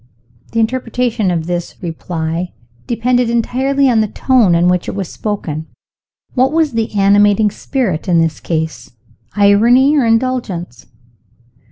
(The interpretation of this reply depended entirely on the tone in which it was spoken. What was the animating spirit in this case? Irony or Indulgence?